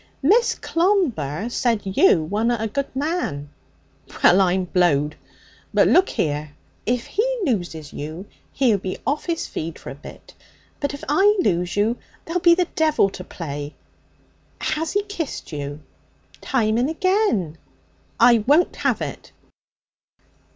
'Miss Clomber said you wunna a good man.' 'Well, I'm blowed! But look here. If he loses you, he'll be off his feed for a bit; but if I lose you, there'll be the devil to pay. Has he kissed you?' 'Time and agen.' 'I won't have it!'